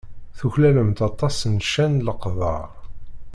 Tuklalemt aṭas n ccan d leqder.